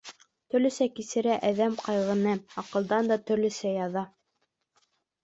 Төрлөсә кисерә әҙәм ҡайғыны, аҡылдан да төрлөсә яҙа.